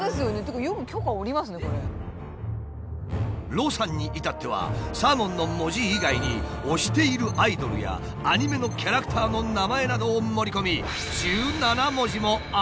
呂さんに至っては「サーモン」の文字以外に推しているアイドルやアニメのキャラクターの名前などを盛り込み１７文字もある。